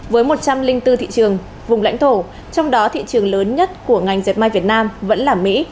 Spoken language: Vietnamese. với một trăm linh bốn thị trường vùng lãnh thổ trong đó thị trường lớn nhất của ngành dẹp may việt nam vẫn là mỹ